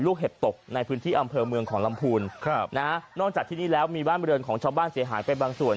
เห็บตกในพื้นที่อำเภอเมืองของลำพูนครับนะฮะนอกจากที่นี่แล้วมีบ้านบริเวณของชาวบ้านเสียหายไปบางส่วน